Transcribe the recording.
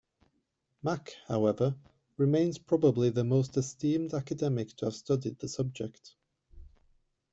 Mack, however, remains probably the most esteemed academic to have studied the subject.